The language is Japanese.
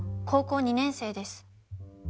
高校２年生です。